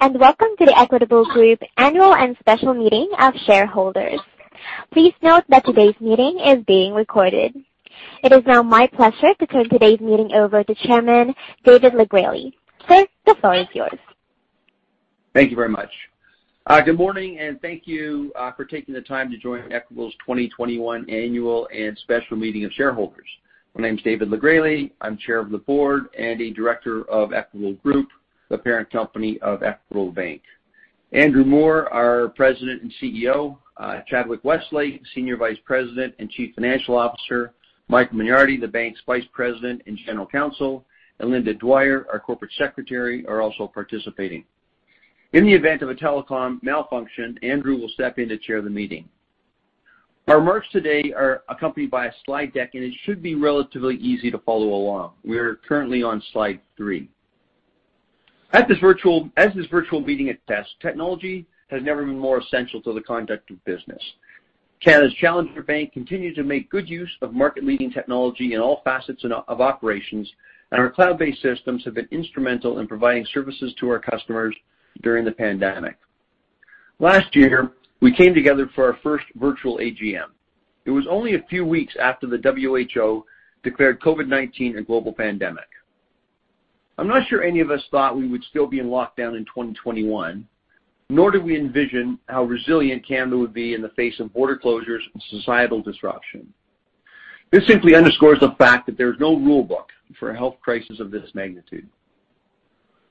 Hello, welcome to the Equitable Group Annual and Special Meeting of Shareholders. Please note that today's meeting is being recorded. It is now my pleasure to turn today's meeting over to Chairman David LeGresley. Sir, the floor is yours. Thank you very much. Good morning, thank you for taking the time to join Equitable's 2021 Annual and Special Meeting of Shareholders. My name's David LeGresley. I'm Chair of the Board and a Director of Equitable Group, the parent company of Equitable Bank. Andrew Moor, our President and CEO, Chadwick Westlake, Senior Vice President and Chief Financial Officer, Mike Mignardi, the Bank's Vice President and General Counsel, and Linda Dwyer, our Corporate Secretary, are also participating. In the event of a telecom malfunction, Andrew will step in to chair the meeting. Our remarks today are accompanied by a slide deck, it should be relatively easy to follow along. We are currently on slide three. As this virtual meeting attests, technology has never been more essential to the conduct of business. Canada's challenger bank continues to make good use of market-leading technology in all facets of operations, and our cloud-based systems have been instrumental in providing services to our customers during the pandemic. Last year, we came together for our first virtual AGM. It was only a few weeks after the WHO declared COVID-19 a global pandemic. I'm not sure any of us thought we would still be in lockdown in 2021, nor did we envision how resilient Canada would be in the face of border closures and societal disruption. This simply underscores the fact that there is no rulebook for a health crisis of this magnitude.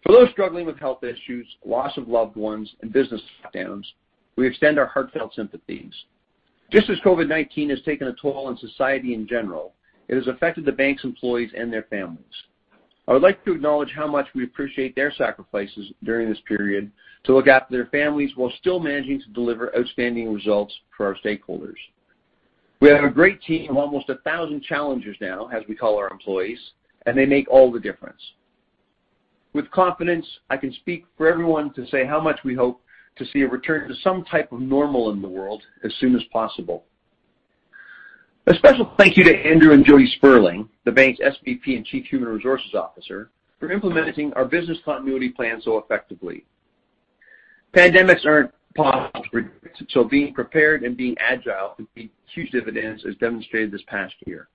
For those struggling with health issues, loss of loved ones, and business shutdowns, we extend our heartfelt sympathies. Just as COVID-19 has taken a toll on society in general, it has affected the bank's employees and their families. I would like to acknowledge how much we appreciate their sacrifices during this period to look after their families while still managing to deliver outstanding results for our stakeholders. We have a great team of almost 1,000 challengers now, as we call our employees, and they make all the difference. With confidence, I can speak for everyone to say how much we hope to see a return to some type of normal in the world as soon as possible. A special thank you to Andrew and Jodi Sterling, the bank's SVP and Chief Human Resources Officer, for implementing our business continuity plan so effectively. Pandemics aren't so being prepared and being agile can reap huge dividends, as demonstrated this past year.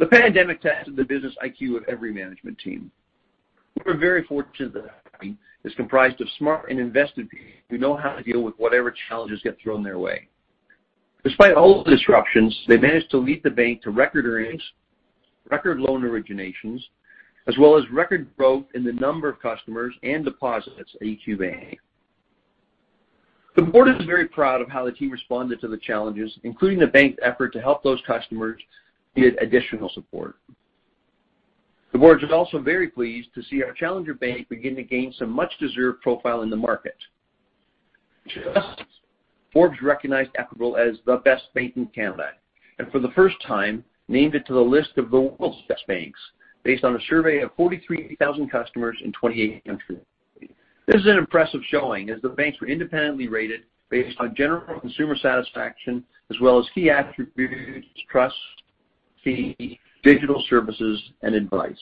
The pandemic tested the business IQ of every management team. We're very fortunate that our team is comprised of smart and invested people who know how to deal with whatever challenges get thrown their way. Despite all the disruptions, they managed to lead the bank to record earnings, record loan originations, as well as record growth in the number of customers and deposits at EQ Bank. The board is very proud of how the team responded to the challenges, including the bank's effort to help those customers who needed additional support. The board is also very pleased to see our challenger bank begin to gain some much-deserved profile in the market. Forbes recognized Equitable as the best bank in Canada, and for the first time named it to the list of the world's best banks, based on a survey of 43,000 customers in 28 countries. This is an impressive showing, as the banks were independently rated based on general consumer satisfaction as well as key attributes, trust, fee, digital services, and advice.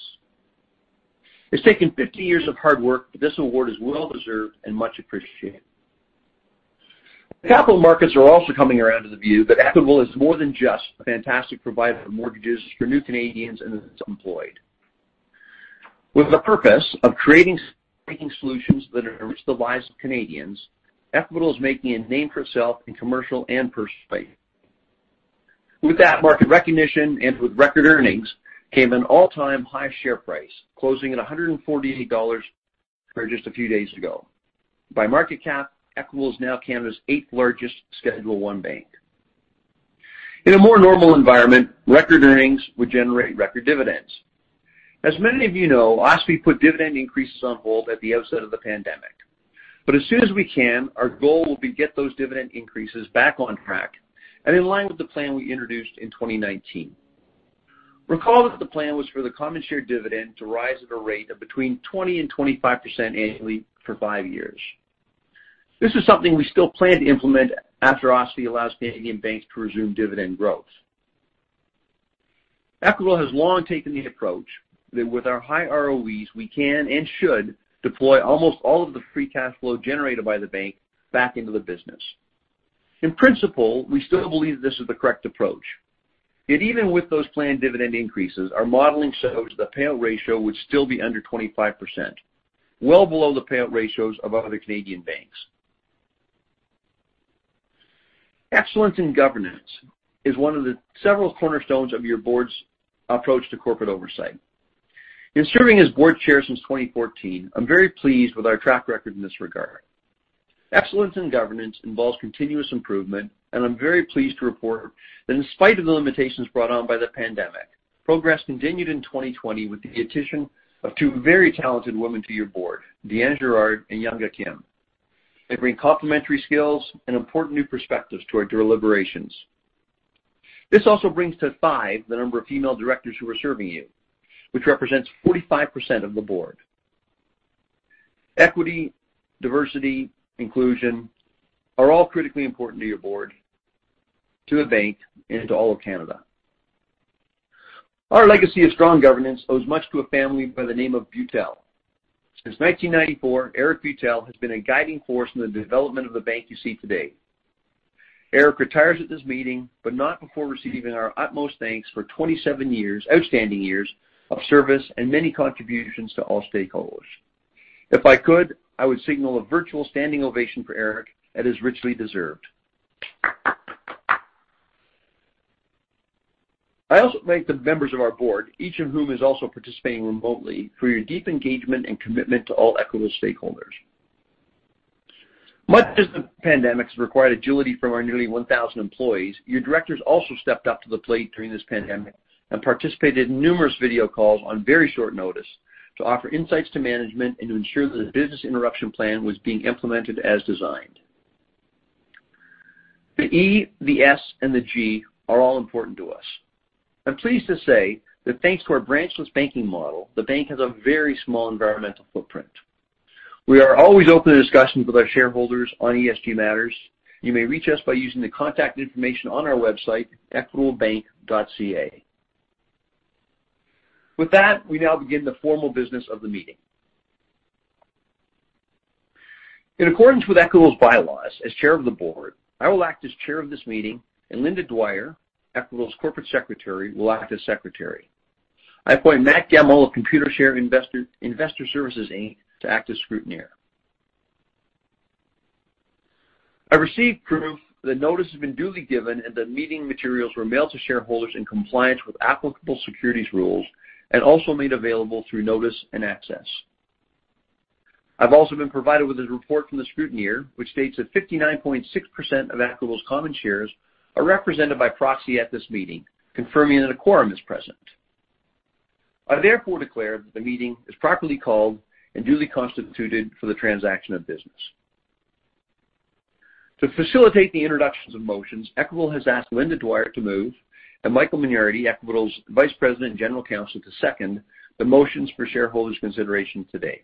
It's taken 50 years of hard work, but this award is well-deserved and much appreciated. The capital markets are also coming around to the view that Equitable is more than just a fantastic provider for mortgages for new Canadians and the underemployed. With the purpose of creating banking solutions that enrich the lives of Canadians, Equitable is making a name for itself in commercial and personal banking. With that market recognition and with record earnings came an all-time high share price, closing at 148 dollars just a few days ago. By market cap, Equitable is now Canada's eighth-largest Schedule I bank. In a more normal environment, record earnings would generate record dividends. As many of you know, OSFI put dividend increases on hold at the outset of the pandemic. As soon as we can, our goal will be get those dividend increases back on track and in line with the plan we introduced in 2019. Recall that the plan was for the common share dividend to rise at a rate of between 20% and 25% annually for five years. This is something we still plan to implement after OSFI allows Canadian banks to resume dividend growth. Equitable has long taken the approach that with our high ROEs, we can and should deploy almost all of the free cash flow generated by the bank back into the business. In principle, we still believe this is the correct approach. Even with those planned dividend increases, our modeling shows the payout ratio would still be under 25%, well below the payout ratios of other Canadian banks. Excellence in governance is one of the several cornerstones of your board's approach to corporate oversight. In serving as board chair since 2014, I'm very pleased with our track record in this regard. Excellence in governance involves continuous improvement, and I'm very pleased to report that in spite of the limitations brought on by the pandemic, progress continued in 2020 with the addition of two very talented women to your board, Diane Giard and Yongah Kim. They bring complementary skills and important new perspectives to our deliberations. This also brings to five the number of female directors who are serving you, which represents 45% of the board. Equity, diversity, inclusion are all critically important to your board, to the bank, and to all of Canada. Our legacy of strong governance owes much to a family by the name of Beutel. Since 1994, Austin Beutel has been a guiding force in the development of the bank you see today. Austin retires at this meeting, but not before receiving our utmost thanks for 27 outstanding years of service and many contributions to all stakeholders. If I could, I would signal a virtual standing ovation for Austin that is richly deserved. I also thank the members of our board, each of whom is also participating remotely, for your deep engagement and commitment to all Equitable stakeholders. Much as the pandemic has required agility from our nearly 1,000 employees, your directors also stepped up to the plate during this pandemic and participated in numerous video calls on very short notice to offer insights to management and to ensure that the business interruption plan was being implemented as designed. The E, the S, and the G are all important to us. I'm pleased to say that thanks to our branchless banking model, the bank has a very small environmental footprint. We are always open to discussions with our shareholders on ESG matters. You may reach us by using the contact information on our website, equitablebank.ca. With that, we now begin the formal business of the meeting. In accordance with Equitable's bylaws, as chair of the board, I will act as chair of this meeting, and Linda Dwyer, Equitable's Corporate Secretary, will act as secretary. I appoint Matthew Gemmell of Computershare Investor Services Inc. to act as scrutineer. I received proof that notice has been duly given and that meeting materials were mailed to shareholders in compliance with applicable securities rules and also made available through notice and access. I've also been provided with a report from the scrutineer, which states that 59.6% of Equitable's common shares are represented by proxy at this meeting, confirming that a quorum is present. I therefore declare that the meeting is properly called and duly constituted for the transaction of business. To facilitate the introductions of motions, Equitable has asked Linda Dwyer to move, and Michael Mignardi, Equitable's Vice President and General Counsel, to second the motions for shareholders' consideration today.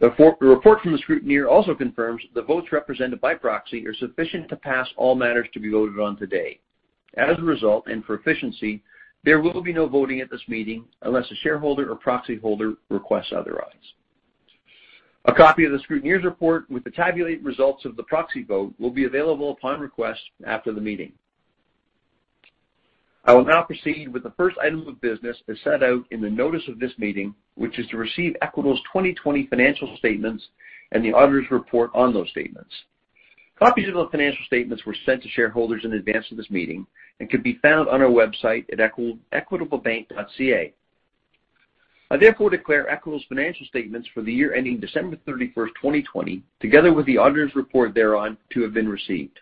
The report from the scrutineer also confirms the votes represented by proxy are sufficient to pass all matters to be voted on today. As a result, for efficiency, there will be no voting at this meeting unless a shareholder or proxy holder requests otherwise. A copy of the scrutineer's report with the tabulated results of the proxy vote will be available upon request after the meeting. I will now proceed with the first item of business as set out in the notice of this meeting, which is to receive Equitable's 2020 financial statements and the auditor's report on those statements. Copies of the financial statements were sent to shareholders in advance of this meeting and can be found on our website at equitablebank.ca. I therefore declare Equitable's financial statements for the year ending December 31st, 2020, together with the auditor's report thereon, to have been received.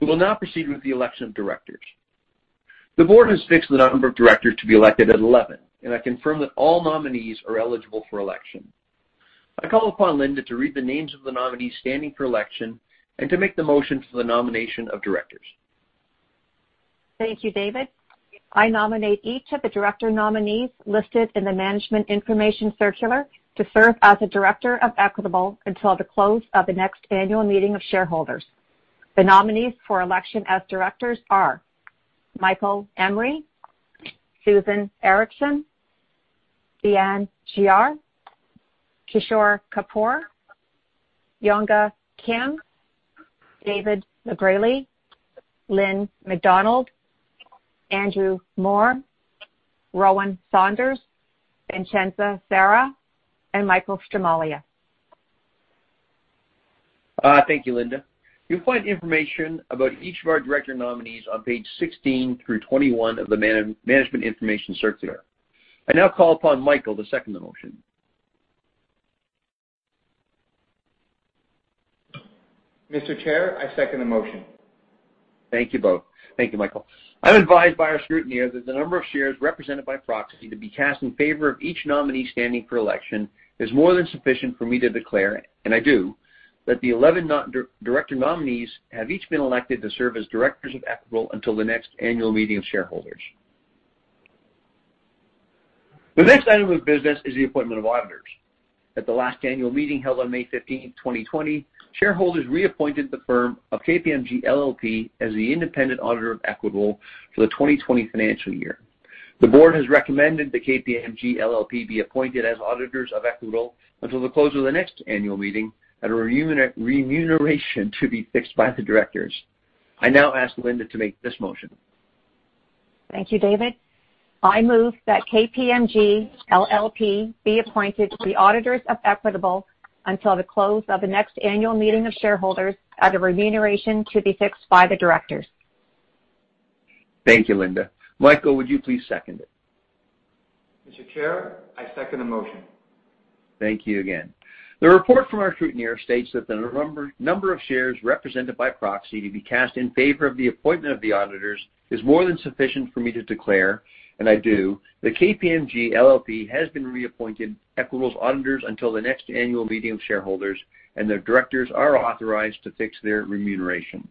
We will now proceed with the election of directors. The board has fixed the number of directors to be elected at 11, and I confirm that all nominees are eligible for election. I call upon Linda to read the names of the nominees standing for election and to make the motion for the nomination of directors. Thank you, David. I nominate each of the director nominees listed in the management information circular to serve as a director of Equitable until the close of the next annual meeting of shareholders. The nominees for election as directors are Michael Emory, Susan Ericksen, Diane Giard, Kishore Kapoor, Yongah Kim, David LeGresley, Lynn McDonald, Andrew Moor, Rowan Saunders, Vincenza Sera, and Michael Stramaglia. Thank you, Linda. You'll find information about each of our director nominees on page 16 through 21 of the management information circular. I now call upon Michael to second the motion. Mr. Chair, I second the motion. Thank you both. Thank you, Michael. I'm advised by our scrutineer that the number of shares represented by proxy to be cast in favor of each nominee standing for election is more than sufficient for me to declare, and I do, that the 11 director nominees have each been elected to serve as directors of Equitable until the next annual meeting of shareholders. The next item of business is the appointment of auditors. At the last annual meeting held on May 15th, 2020, shareholders reappointed the firm of KPMG LLP as the independent auditor of Equitable for the 2020 financial year. The board has recommended that KPMG LLP be appointed as auditors of Equitable until the close of the next annual meeting at a remuneration to be fixed by the directors. I now ask Linda to make this motion. Thank you, David. I move that KPMG LLP be appointed the auditors of Equitable until the close of the next annual meeting of shareholders at a remuneration to be fixed by the directors. Thank you, Linda. Michael, would you please second it? Mr. Chair, I second the motion. Thank you again. The report from our scrutineer states that the number of shares represented by proxy to be cast in favor of the appointment of the auditors is more than sufficient for me to declare, and I do, that KPMG LLP has been reappointed Equitable's auditors until the next annual meeting of shareholders, and their directors are authorized to fix their remuneration.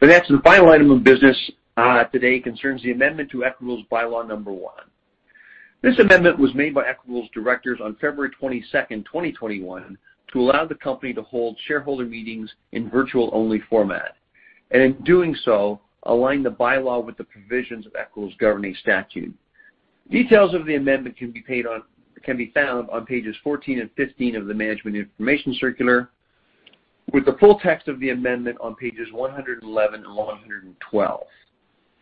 The next and final item of business today concerns the amendment to Equitable's bylaw number one. This amendment was made by Equitable's directors on February 22nd, 2021 to allow the company to hold shareholder meetings in virtual-only format. In doing so, align the bylaw with the provisions of Equitable's governing statute. Details of the amendment can be found on pages 14 and 15 of the management information circular, with the full text of the amendment on pages 111 and 112.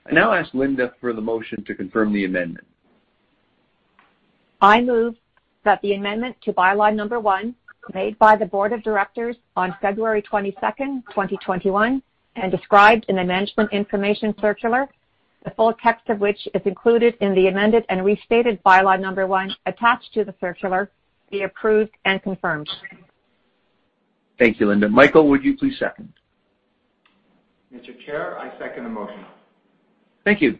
I now ask Linda for the motion to confirm the amendment. I move that the amendment to bylaw number one, made by the board of directors on February 22nd, 2021, and described in the management information circular, the full text of which is included in the amended and restated bylaw number one attached to the circular, be approved and confirmed. Thank you, Linda. Michael, would you please second? Mr. Chair, I second the motion. Thank you.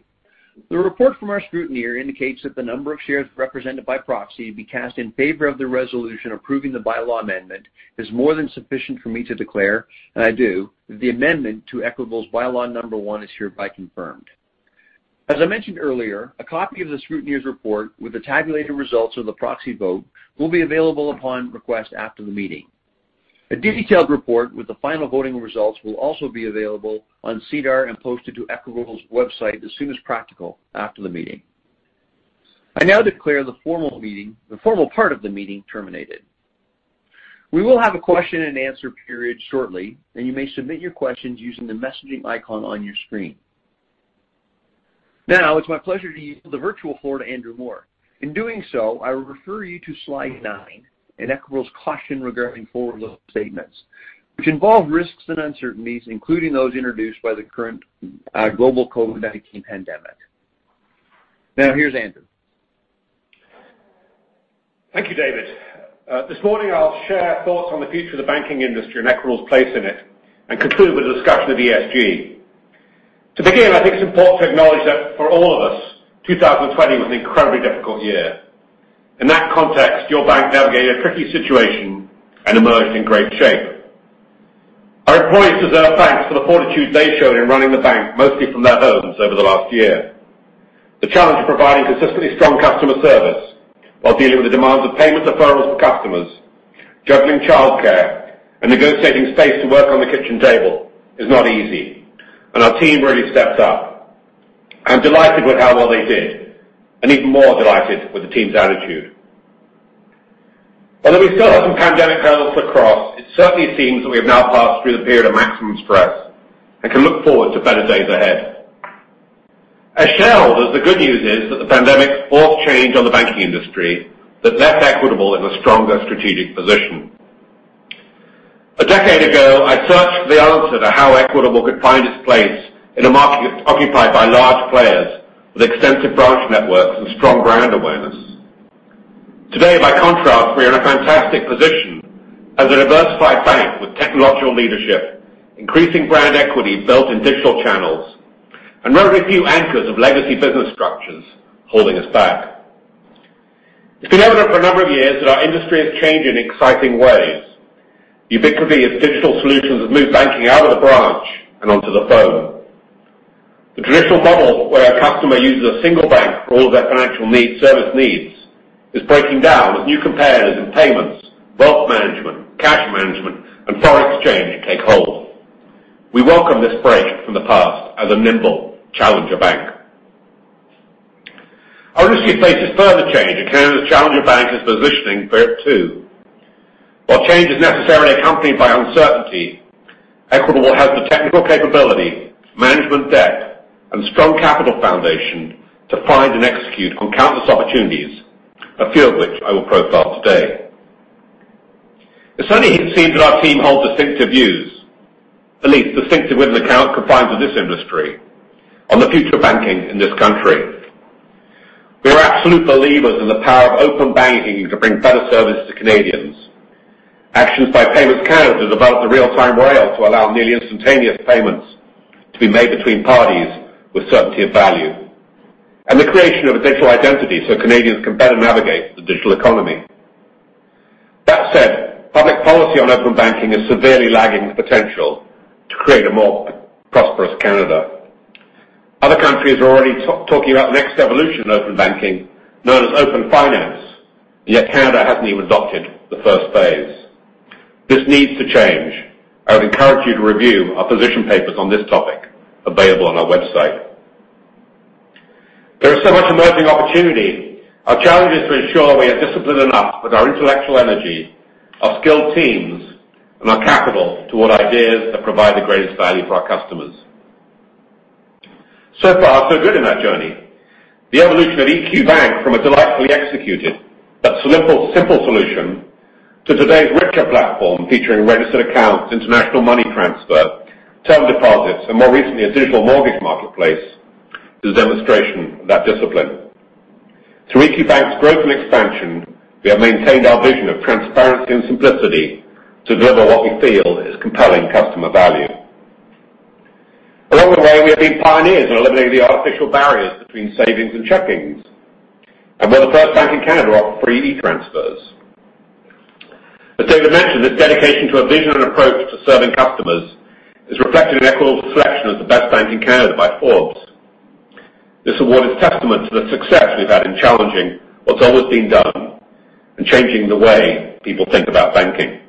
The report from our scrutineer indicates that the number of shares represented by proxy be cast in favor of the resolution approving the bylaw amendment is more than sufficient for me to declare, and I do, the amendment to Equitable's bylaw number one is hereby confirmed. As I mentioned earlier, a copy of the scrutineer's report with the tabulated results of the proxy vote will be available upon request after the meeting. A detailed report with the final voting results will also be available on SEDAR and posted to Equitable's website as soon as practical after the meeting. I now declare the formal part of the meeting terminated. We will have a question and answer period shortly, and you may submit your questions using the messaging icon on your screen. It's my pleasure to yield the virtual floor to Andrew Moor. In doing so, I refer you to slide nine in Equitable's caution regarding forward-looking statements, which involve risks and uncertainties, including those introduced by the current global COVID-19 pandemic. Here's Andrew. Thank you, David. This morning, I'll share thoughts on the future of the banking industry and Equitable's place in it and conclude with a discussion of ESG. To begin, I think it's important to acknowledge that for all of us, 2020 was an incredibly difficult year. In that context, your bank navigated a tricky situation and emerged in great shape. Our employees deserve thanks for the fortitude they showed in running the bank mostly from their homes over the last year. The challenge of providing consistently strong customer service while dealing with the demands of payment deferrals for customers, juggling childcare, and negotiating space to work on the kitchen table is not easy, and our team really stepped up. I'm delighted with how well they did, and even more delighted with the team's attitude. Although we still have some pandemic hurdles to cross, it certainly seems that we have now passed through the period of maximum stress and can look forward to better days ahead. As shareholders, the good news is that the pandemic forced change on the banking industry that left Equitable in a stronger strategic position. A decade ago, I searched for the answer to how Equitable could find its place in a market occupied by large players with extensive branch networks and strong brand awareness. Today, by contrast, we are in a fantastic position as a diversified bank with technological leadership, increasing brand equity built in digital channels, and very few anchors of legacy business structures holding us back. It's been evident for a number of years that our industry is changing in exciting ways. The ubiquity of digital solutions have moved banking out of the branch and onto the phone. The traditional model where a customer uses a single bank for all their financial service needs is breaking down as new competitors in payments, wealth management, cash management, and foreign exchange take hold. We welcome this break from the past as a nimble challenger bank. Our industry faces further change in Canada's challenger bank is positioning for it, too. While change is necessarily accompanied by uncertainty, Equitable has the technical capability, management depth, and strong capital foundation to find and execute on countless opportunities, a few of which I will profile today. It certainly seems that our team hold distinctive views, at least distinctive with an account confined to this industry, on the future of banking in this country. We are absolute believers in the power of open banking to bring better service to Canadians. Actions by Payments Canada developed a Real-Time Rail to allow nearly instantaneous payments to be made between parties with certainty of value, and the creation of a digital identity so Canadians can better navigate the digital economy. That said, public policy on open banking is severely lagging the potential to create a more prosperous Canada. Other countries are already talking about the next evolution of open banking, known as open finance, yet Canada hasn't even adopted the first phase. This needs to change. I would encourage you to review our position papers on this topic available on our website. There is so much emerging opportunity. Our challenge is to ensure we are disciplined enough with our intellectual energy, our skilled teams, and our capital toward ideas that provide the greatest value for our customers. So far, so good in that journey. The evolution of EQ Bank from a delightfully executed but simple solution to today's richer platform featuring registered accounts, international money transfer, term deposits, and more recently, a digital mortgage marketplace, is a demonstration of that discipline. Through EQ Bank's growth and expansion, we have maintained our vision of transparency and simplicity to deliver what we feel is compelling customer value. Along the way, we have been pioneers in eliminating the artificial barriers between savings and checking, and we're the first bank in Canada to offer free e-Transfers. David mentioned this dedication to a vision and approach to serving customers is reflected in Equitable's selection as the best bank in Canada by Forbes. This award is testament to the success we've had in challenging what's always been done and changing the way people think about banking.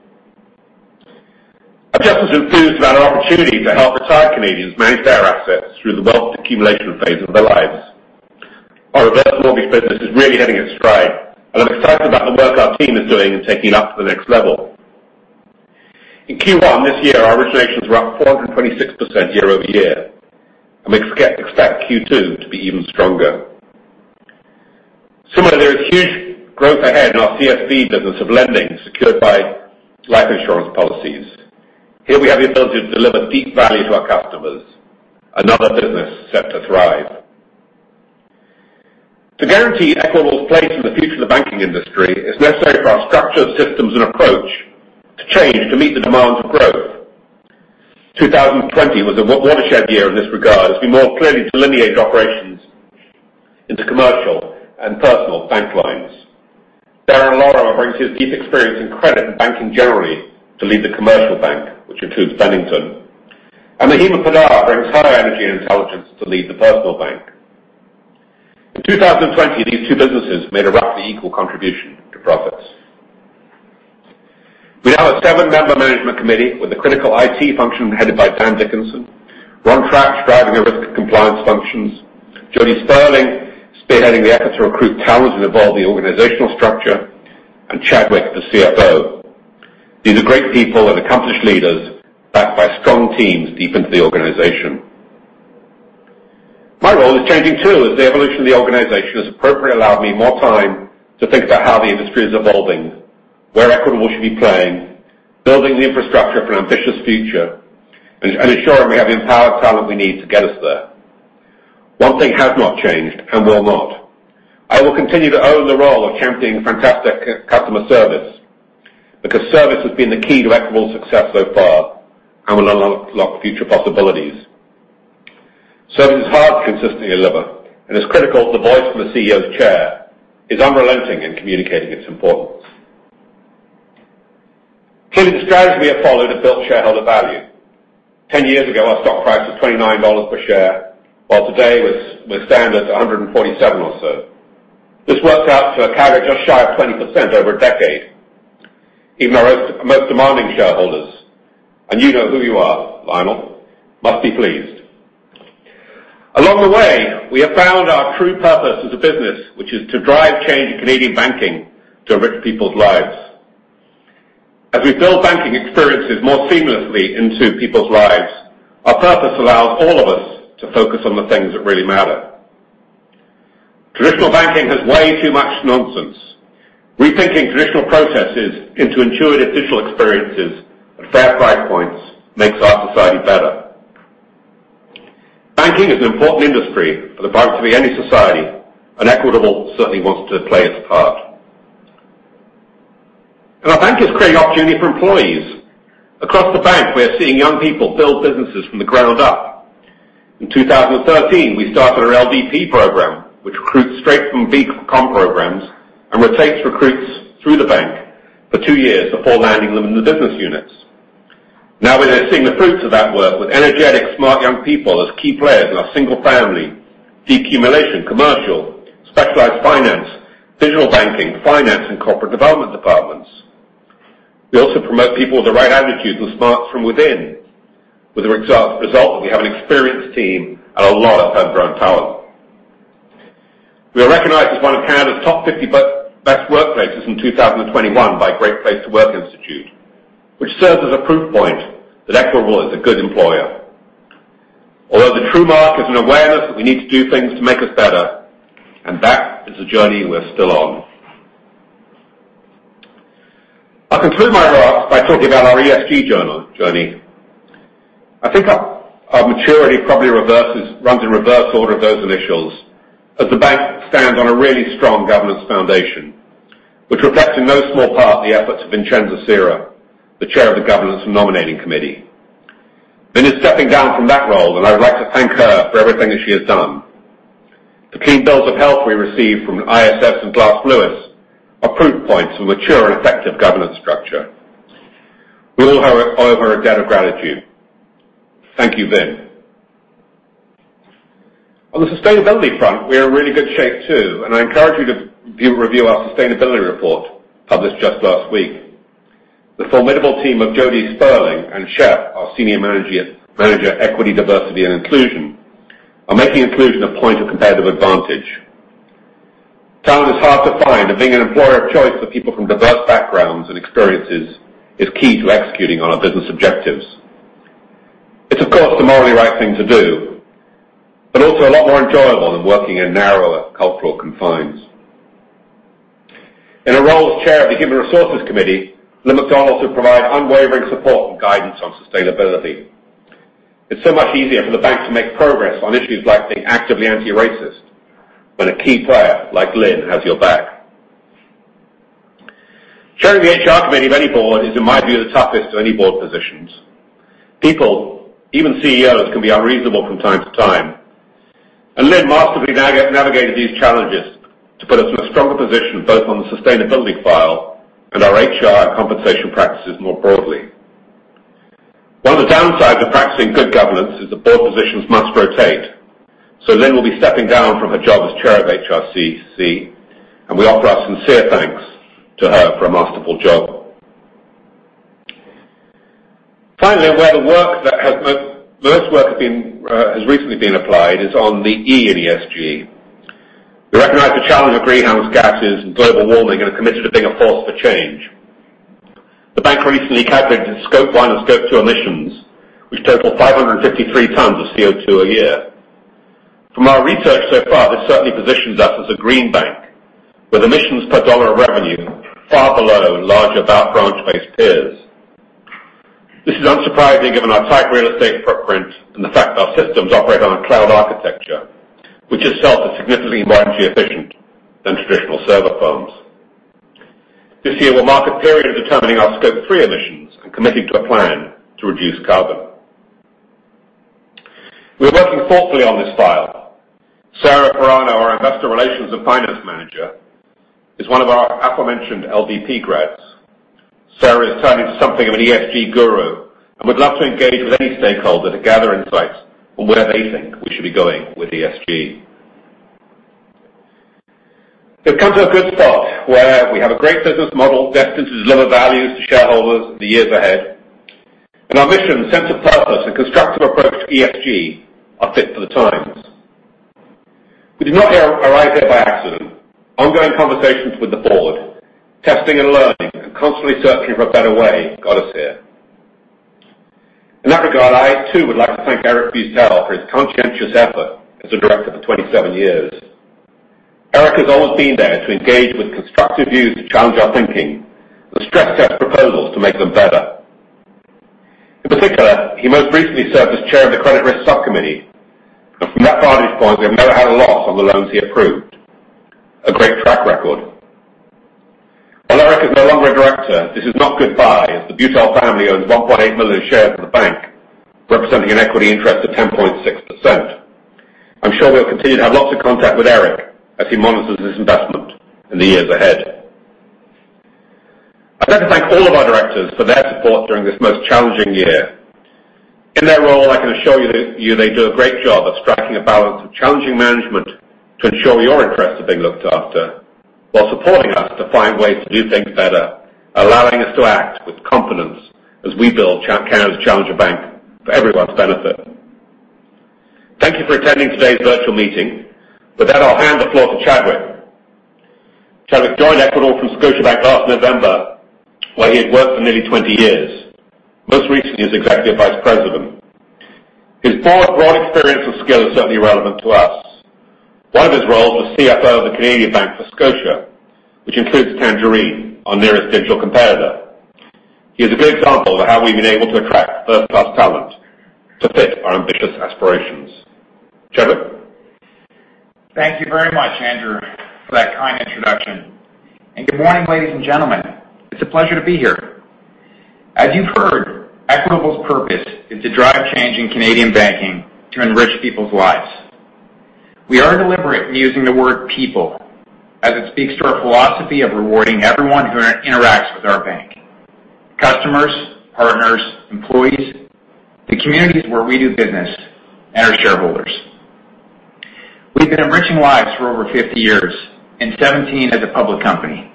I'm just as enthused about our opportunity to help retired Canadians manage their assets through the wealth accumulation phase of their lives. Our reverse mortgage business is really hitting its stride, and I'm excited about the work our team is doing in taking it up to the next level. In Q1 this year, our originations were up 426% year-over-year, and we expect Q2 to be even stronger. Similarly, there is huge growth ahead in our CSV business of lending secured by life insurance policies. Here we have the ability to deliver deep value to our customers. Another business set to thrive. To guarantee Equitable's place in the future of the banking industry, it's necessary for our structure, systems, and approach to change to meet the demands of growth. 2020 was a watershed year in this regard, as we more clearly delineate operations into commercial and personal bank lines. Darren Lauro brings his deep experience in credit and banking generally to lead the commercial bank, which includes Bennington. Mahima Poddar brings her energy and intelligence to lead the personal bank. In 2020, these two businesses made a roughly equal contribution to profits. We now have a seven-member management committee with a critical IT function headed by Dan Dickinson. Ron Tratch, driving the risk and compliance functions. Jodi Sterling, spearheading the effort to recruit talent and evolve the organizational structure. Chad Wick, the CFO. These are great people and accomplished leaders backed by strong teams deep into the organization. My role is changing too, as the evolution of the organization has appropriately allowed me more time to think about how the industry is evolving, where Equitable should be playing, building the infrastructure for an ambitious future, and ensuring we have the empowered talent we need to get us there. One thing has not changed and will not. I will continue to own the role of championing fantastic customer service, because service has been the key to Equitable success so far and will unlock future possibilities. Service is hard to consistently deliver, and it's critical the voice from the CEO's chair is unrelenting in communicating its importance. Clearly, the strategy we have followed has built shareholder value. 10 years ago, our stock price was 29 dollars per share, while today we stand at 147 or so. This works out to a carry just shy of 20% over a decade. Even our most demanding shareholders, and you know who you are, Lionel, must be pleased. Along the way, we have found our true purpose as a business, which is to drive change in Canadian banking to enrich people's lives. As we build banking experiences more seamlessly into people's lives, our purpose allows all of us to focus on the things that really matter. Traditional banking has way too much nonsense. Rethinking traditional processes into intuitive digital experiences at fair price points makes our society better. Banking is an important industry for the vitality of any society, and Equitable certainly wants to play its part. Our bank is creating opportunity for employees. Across the bank, we are seeing young people build businesses from the ground up. In 2013, we started our LDP program, which recruits straight from BCom programs and rotates recruits through the bank for two years before landing them in the business units. Now we are seeing the fruits of that work with energetic, smart young people as key players in our single family, decumulation, commercial, specialized finance, digital banking, finance, and corporate development departments. We also promote people with the right attitude and smarts from within, with the result that we have an experienced team and a lot of homegrown talent. We are recognized as one of Canada's top 50 best workplaces in 2021 by Great Place to Work Institute Canada, which serves as a proof point that Equitable is a good employer. Although the true mark is an awareness that we need to do things to make us better, and that is a journey we're still on. I'll conclude my remarks by talking about our ESG journey. I think our maturity probably runs in reverse order of those initials, as the bank stands on a really strong governance foundation, which reflects in no small part the efforts of Vincenza Sera, the Chair of the Governance and Nominating Committee. Vin is stepping down from that role, and I would like to thank her for everything that she has done. The clean bills of health we receive from ISS and Glass Lewis are proof points of mature and effective governance structure. We all owe her a debt of gratitude. Thank you, Vin. On the sustainability front, we are in really good shape too, and I encourage you to review our sustainability report published just last week. The formidable team of Jodi Sterling and Shep, our Senior Manager, Equity, Diversity, and Inclusion, are making inclusion a point of competitive advantage. Talent is hard to find. Being an employer of choice for people from diverse backgrounds and experiences is key to executing on our business objectives. It's, of course, the morally right thing to do. Also a lot more enjoyable than working in narrower cultural confines. In her role as Chair of the Human Resources Committee, Lynn McDonald will provide unwavering support and guidance on sustainability. It's so much easier for the bank to make progress on issues like being actively anti-racist when a key player like Lynn has your back. Chairing the HR committee of any board is, in my view, the toughest of any board positions. People, even CEOs, can be unreasonable from time to time. Lynn masterfully navigated these challenges to put us in a stronger position both on the sustainability file and our HR and compensation practices more broadly. Lynn will be stepping down from her job as chair of HRCC, and we offer our sincere thanks to her for a masterful job. Finally, where the most work has recently been applied is on the E in ESG. We recognize the challenge of greenhouse gases and global warming and are committed to being a force for change. The bank recently calculated its Scope 1 and Scope 2 emissions, which total 553 T of CO2 a year. From our research so far, this certainly positions us as a green bank, with emissions per dollar of revenue far below in larger branch-based peers. This is unsurprisingly given our tight real estate footprint and the fact that our systems operate on a cloud architecture, which itself is significantly more energy efficient than traditional server firms. This year will mark a period of determining our Scope 3 emissions and committing to a plan to reduce carbon. We are working thoughtfully on this file. Sarah Perrone, our Investor Relations and Finance Manager, is one of our aforementioned LDP grads. Sarah is turning into something of an ESG guru. We'd love to engage with any stakeholder to gather insights on where they think we should be going with ESG. We've come to a good spot where we have a great business model destined to deliver value to shareholders in the years ahead. Our mission, sense of purpose, and constructive approach to ESG are fit for the times. We did not arrive here by accident. Ongoing conversations with the Board, testing and learning, and constantly searching for a better way got us here. In that regard, I too would like to thank Austin Beutel for his conscientious effort as a director for 27 years. Austin has always been there to engage with constructive views to challenge our thinking and to stress test proposals to make them better. In particular, he most recently served as Chair of the Credit Risk Sub-Committee. From that vantage point, we have never had a loss on the loans he approved. A great track record. While Austin is no longer a director, this is not goodbye, as the Beutel family owns 1.8 million shares of the bank, representing an equity interest of 10.6%. I'm sure we'll continue to have lots of contact with Austin as he monitors his investment in the years ahead. I'd like to thank all of our directors for their support during this most challenging year. In their role, I can assure you they do a great job of striking a balance of challenging management to ensure your interests are being looked after while supporting us to find ways to do things better, allowing us to act with confidence as we build Canada's challenger bank for everyone's benefit. Thank you for attending today's virtual meeting. With that, I'll hand the floor to Chadwick. Chadwick Westlake joined Equitable from Scotiabank last November, where he had worked for nearly 20 years, most recently as executive vice president. His broad experience and skills are certainly relevant to us. One of his roles was CFO of the Canadian bank for Scotia, which includes Tangerine, our nearest digital competitor. He is a good example of how we've been able to attract first-class talent to fit our ambitious aspirations. Chadwick. Thank you very much, Andrew, for that kind introduction. Good morning, ladies and gentlemen. It's a pleasure to be here. As you've heard, Equitable's purpose is to drive change in Canadian banking to enrich people's lives. We are deliberate in using the word people, as it speaks to our philosophy of rewarding everyone who interacts with our bank, customers, partners, employees, the communities where we do business, and our shareholders. We've been enriching lives for over 50 years and 17 years as a public company.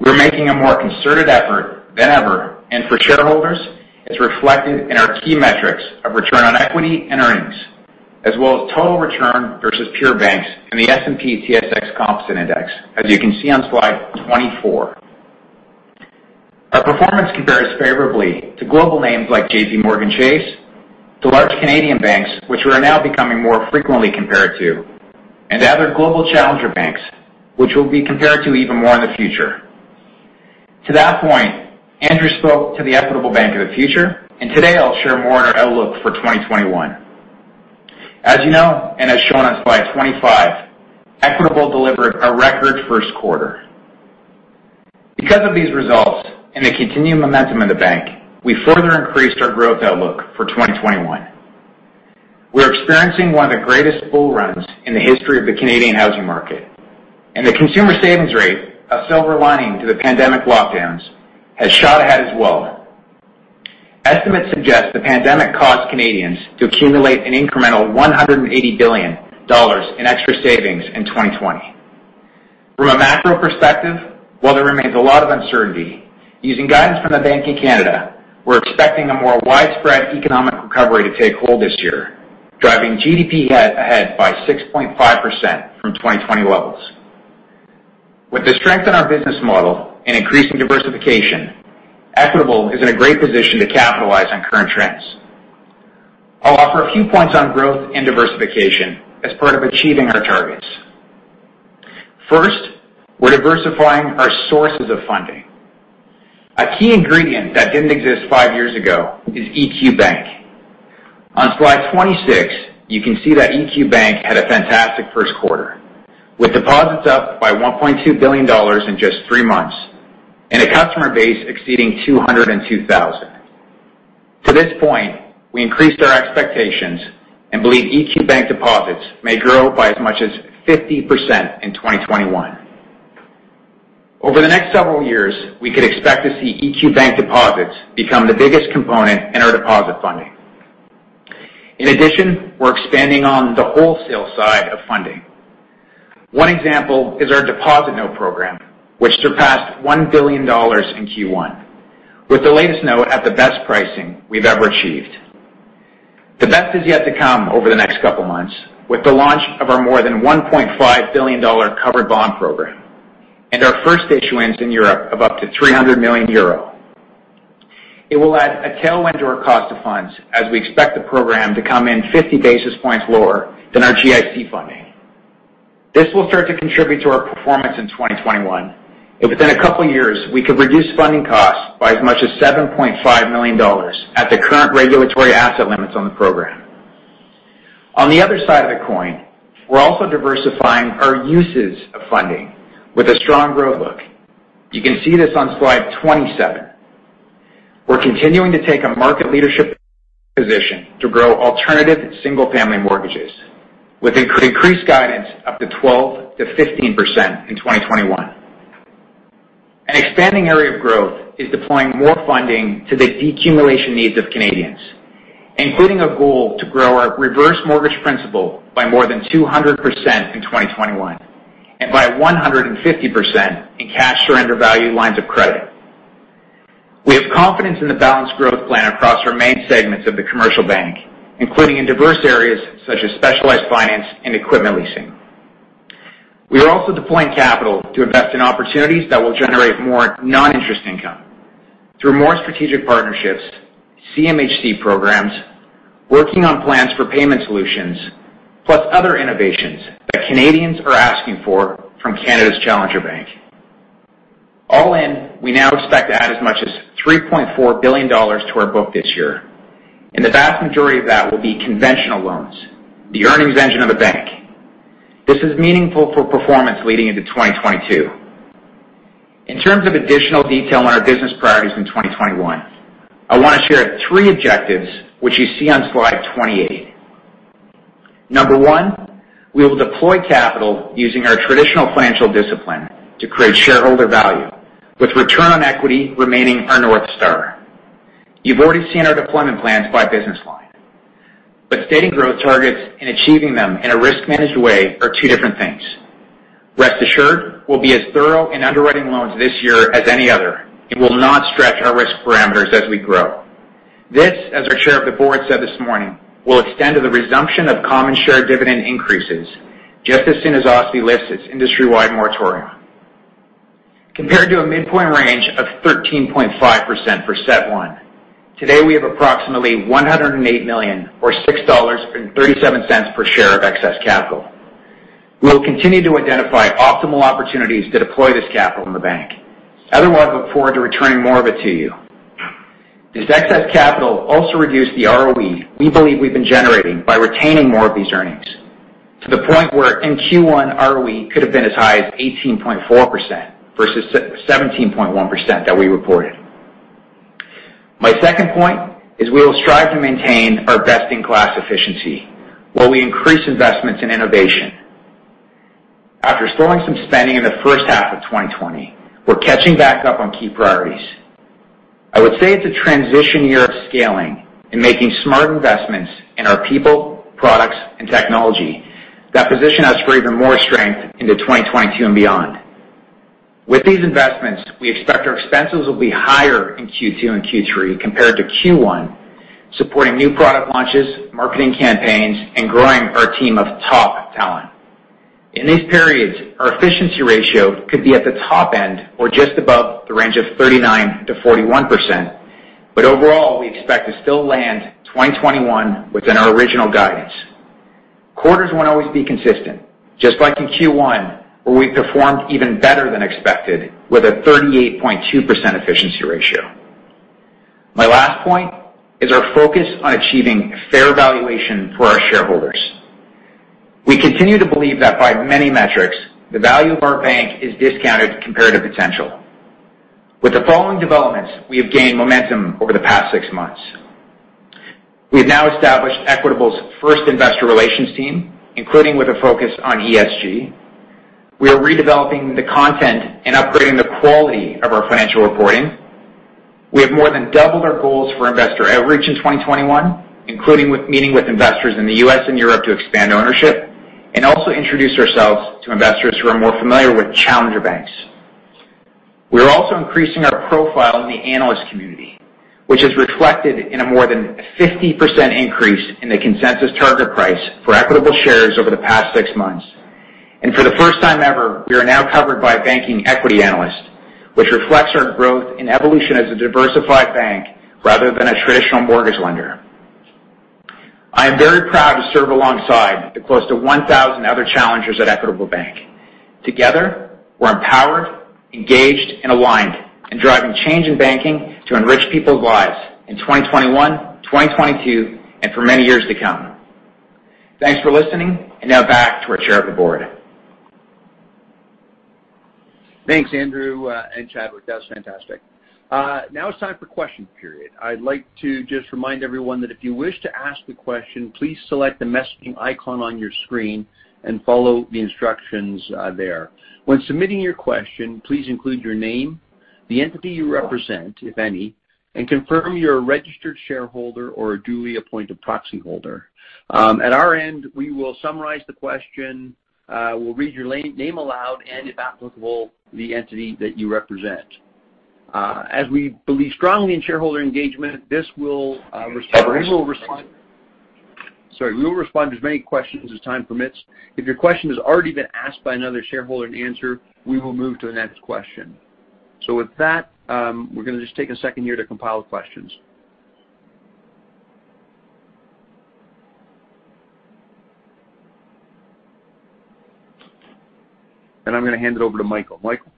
We're making a more concerted effort than ever, and for shareholders, it's reflected in our key metrics of return on equity and earnings, as well as total return versus pure banks and the S&P/TSX Composite Index, as you can see on slide 24. Our performance compares favorably to global names like JPMorgan Chase, to large Canadian banks, which we are now becoming more frequently compared to, and to other global challenger banks, which we'll be compared to even more in the future. To that point, Andrew spoke to the Equitable Bank of the future, and today I'll share more on our outlook for 2021. As you know, as shown on slide 25, Equitable delivered a record first quarter. Because of these results and the continuing momentum of the bank, we further increased our growth outlook for 2021. We're experiencing one of the greatest bull runs in the history of the Canadian housing market, and the consumer savings rate, a silver lining to the pandemic lockdowns, has shot ahead as well. Estimates suggest the pandemic caused Canadians to accumulate an incremental 180 billion dollars in extra savings in 2020. From a macro perspective, while there remains a lot of uncertainty, using guidance from the Bank of Canada, we're expecting a more widespread economic recovery to take hold this year, driving GDP ahead by 6.5% from 2020 levels. With the strength in our business model and increasing diversification, Equitable is in a great position to capitalize on current trends. I'll offer a few points on growth and diversification as part of achieving our targets. First, we're diversifying our sources of funding. A key ingredient that didn't exist five years ago is EQ Bank. On slide 26, you can see that EQ Bank had a fantastic first quarter, with deposits up by 1.2 billion dollars in just three months and a customer base exceeding 202,000. To this point, we increased our expectations and believe EQ Bank deposits may grow by as much as 50% in 2021. Over the next several years, we could expect to see EQ Bank deposits become the biggest component in our deposit funding. In addition, we're expanding on the wholesale side of funding. One example is our deposit note program, which surpassed 1 billion dollars in Q1, with the latest note at the best pricing we've ever achieved. The best is yet to come over the next couple of months, with the launch of our more than 1.5 billion dollar covered bond program and our first issuance in Europe of up to 300 million euro. It will add a tailwind to our cost of funds as we expect the program to come in 50 basis points lower than our GIC funding. This will start to contribute to our performance in 2021, and within a couple of years, we could reduce funding costs by as much as 7.5 million dollars at the current regulatory asset limits on the program. On the other side of the coin, we're also diversifying our uses of funding with a strong growth look. You can see this on slide 27. We're continuing to take a market leadership position to grow alternative single-family mortgages with increased guidance up to 12%-15% in 2021. An expanding area of growth is deploying more funding to the decumulation needs of Canadians, including a goal to grow our reverse mortgage principal by more than 200% in 2021, and by 150% in cash surrender value lines of credit. We have confidence in the balanced growth plan across our main segments of the commercial bank, including in diverse areas such as specialized finance and equipment leasing. We are also deploying capital to invest in opportunities that will generate more non-interest income through more strategic partnerships, CMHC programs, working on plans for payment solutions, plus other innovations that Canadians are asking for from Canada's challenger bank. All in, we now expect to add as much as 3.4 billion dollars to our book this year, and the vast majority of that will be conventional loans, the earnings engine of the bank. This is meaningful for performance leading into 2022. In terms of additional detail on our business priorities in 2021, I want to share three objectives, which you see on slide 28. Number one, we will deploy capital using our traditional financial discipline to create shareholder value, with return on equity remaining our North Star. You've already seen our deployment plans by business line, but stating growth targets and achieving them in a risk-managed way are two different things. Rest assured, we'll be as thorough in underwriting loans this year as any other and will not stretch our risk parameters as we grow. This, as our chair of the board said this morning, will extend to the resumption of common share dividend increases just as soon as OSFI lifts its industry-wide moratorium. Compared to a midpoint range of 13.5% for CET1, today we have approximately 108 million or 6.37 dollars per share of excess capital. We will continue to identify optimal opportunities to deploy this capital in the bank, and otherwise look forward to returning more of it to you. This excess capital will also reduce the ROE we believe we've been generating by retaining more of these earnings to the point where in Q1, ROE could have been as high as 18.4% versus 17.1% that we reported. My second point is we will strive to maintain our best-in-class efficiency while we increase investments in innovation. After slowing some spending in the first half of 2020, we're catching back up on key priorities. I would say it's a transition year of scaling and making smart investments in our people, products, and technology that position us for even more strength into 2022 and beyond. With these investments, we expect our expenses will be higher in Q2 and Q3 compared to Q1, supporting new product launches, marketing campaigns, and growing our team of top talent. In these periods, our efficiency ratio could be at the top end or just above the range of 39%-41%, but overall, we expect to still land 2021 within our original guidance. Quarters won't always be consistent, just like in Q1, where we performed even better than expected with a 38.2% efficiency ratio. My last point is our focus on achieving fair valuation for our shareholders. We continue to believe that by many metrics, the value of our bank is discounted compared to potential. With the following developments, we have gained momentum over the past six months. We have now established Equitable's first investor relations team, including with a focus on ESG. We are redeveloping the content and upgrading the quality of our financial reporting. We have more than doubled our goals for investor outreach in 2021, including meeting with investors in the U.S. and Europe to expand ownership, and also introduce ourselves to investors who are more familiar with challenger banks. We are also increasing our profile in the analyst community, which is reflected in a more than 50% increase in the consensus target price for Equitable shares over the past six months. For the first time ever, we are now covered by a banking equity analyst, which reflects our growth and evolution as a diversified bank rather than a traditional mortgage lender. I am very proud to serve alongside the close to 1,000 other challengers at Equitable Bank. Together, we're empowered, engaged, and aligned, and driving change in banking to enrich people's lives in 2021, 2022, and for many years to come. Thanks for listening, and now back to our Chair of the Board. Thanks, Andrew and Chadwick. That was fantastic. Now it's time for question period. I'd like to just remind everyone that if you wish to ask a question, please select the messaging icon on your screen and follow the instructions there. When submitting your question, please include your name, the entity you represent, if any, and confirm you're a registered shareholder or a duly appointed proxy holder. At our end, we will summarize the question, we'll read your name aloud, and if applicable, the entity that you represent. As we believe strongly in shareholder engagement, we will respond to as many questions as time permits. If your question has already been asked by another shareholder and answered, we will move to the next question. With that, we're going to just take a second here to compile the questions. I'm going to hand it over to Michael. Michael?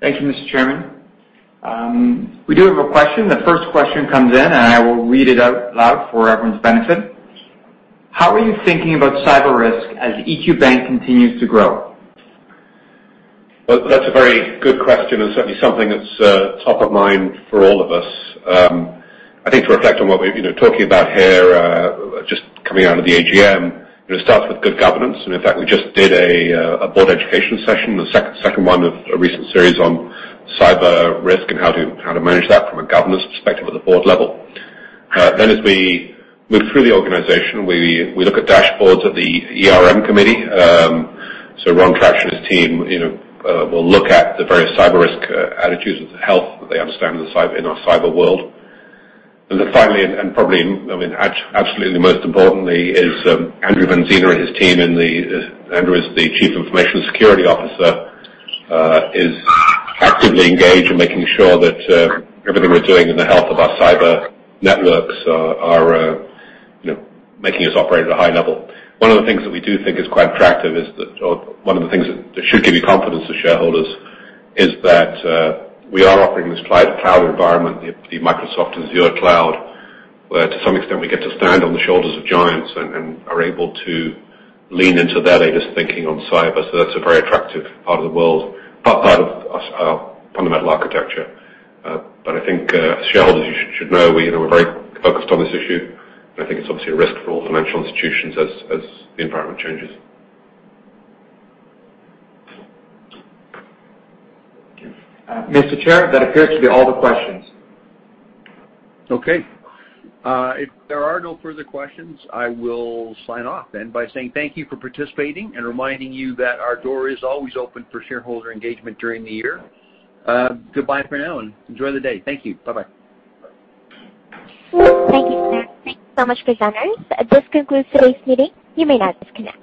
Thank you, Mr. Chairman. We do have a question. The first question comes in. I will read it out loud for everyone's benefit. How are you thinking about cyber risk as EQ Bank continues to grow? Well, that's a very good question, and certainly something that's top of mind for all of us. I think to reflect on what we're talking about here, just coming out of the AGM, it starts with good governance. In fact, we just did a board education session, the second one of a recent series on cyber risk and how to manage that from a governance perspective at the board level. As we move through the organization, we look at dashboards at the ERM committee. Ron Tratch and his team will look at the various cyber risk attitudes with health that they understand in our cyber world. Finally, and probably absolutely most importantly is Andrew Vezina and his team. Andrew is the Chief Information Security Officer, is actively engaged in making sure that everything we're doing in the health of our cyber networks are making us operate at a high level. One of the things that should give you confidence as shareholders is that we are operating this cloud-to-cloud environment, the Microsoft Azure cloud, where to some extent, we get to stand on the shoulders of giants and are able to lean into their latest thinking on cyber. That's a very attractive part of the world, part of our fundamental architecture. I think as shareholders, you should know we're very focused on this issue, and I think it's obviously a risk for all financial institutions as the environment changes. Thank you. Mr. Chair, that appears to be all the questions. Okay. If there are no further questions, I will sign off then by saying thank you for participating and reminding you that our door is always open for shareholder engagement during the year. Goodbye for now, and enjoy the day. Thank you. Bye-bye. Thank you, sir. Thank you so much, presenters. This concludes today's meeting. You may now disconnect.